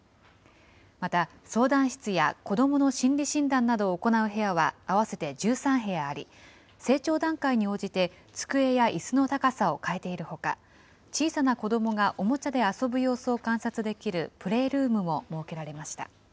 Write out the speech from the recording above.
また、相談室や子どもの心理診断などを行う部屋は合わせて１３部屋あり、成長段階に応じて、机やいすの高さを変えているほか、小さな子どもがおもちゃで遊ぶ様子を観察できるプレールームも設けられました。